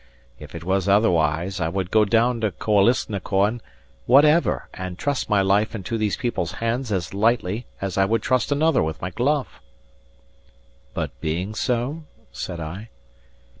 If it was otherwise, I would go down to Koalisnacoan whatever, and trust my life into these people's hands as lightly as I would trust another with my glove." "But being so?" said I.